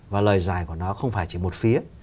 và lời giải của nó không phải chỉ một phía